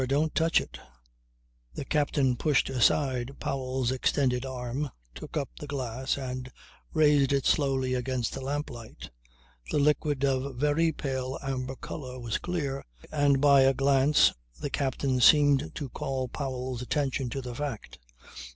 Don't touch it." The captain pushed aside Powell's extended arm, took up the glass and raised it slowly against the lamplight. The liquid, of very pale amber colour, was clear, and by a glance the captain seemed to call Powell's attention to the fact.